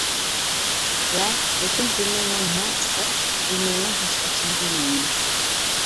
ۋە لېكىن بىلمەيمەن نە ئىستەر، بىلمەيمەن ھېچقاچان بىلمەيمەن.